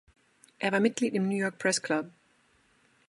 Er war Mitglied im "New York Press Club".